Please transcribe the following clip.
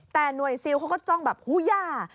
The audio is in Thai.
แต่หน่วยซิลเขาก็จ้องแบบหูย่า